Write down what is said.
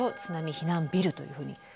津波避難ビルというふうに。